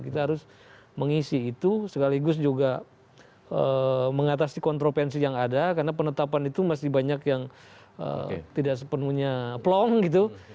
kita harus mengisi itu sekaligus juga mengatasi kontropensi yang ada karena penetapan itu masih banyak yang tidak sepenuhnya plong gitu